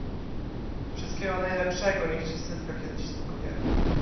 Wszystkiego najlepszego, niech ci setka kiedyś stuknie!